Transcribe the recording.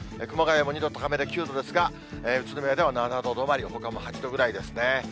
熊谷も２度高めで９度ですが、宇都宮では７度止まり、ほかも８度ぐらいですね。